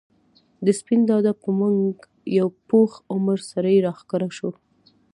د سپين دادا په منګ یو پوخ عمر سړی راښکاره شو.